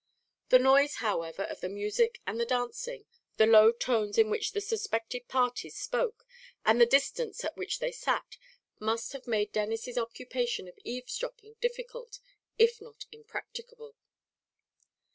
The noise, however, of the music and the dancing, the low tones in which the suspected parties spoke, and the distance at which they sat, must have made Denis's occupation of eaves dropping difficult, if not impracticable.